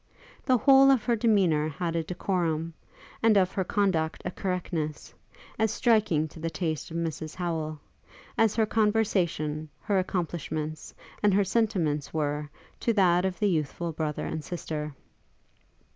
The whole of her demeanour had a decorum, and of her conduct a correctness, as striking to the taste of Mrs Howel, as her conversation, her accomplishments, and her sentiments were to that of the youthful brother and sister.